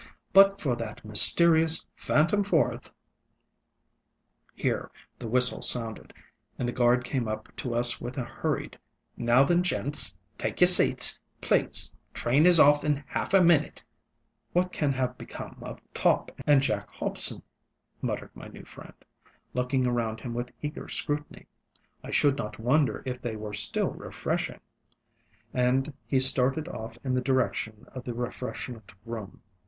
But for that mysterious phantom fourthŌĆöŌĆöŌĆØ Here the whistle sounded, and the guard came up to us with a hurried, ŌĆ£Now then, gents, take your seats, please; train is off in half a minnit! ŌĆØ ŌĆ£What can have become of Topp and Jack Hobson? ŌĆØ muttered my new friend, looking around him with eager scrutiny. ŌĆ£I should not wonder if they were still refreshing. ŌĆØ And he started off in the direction of the refreshment room.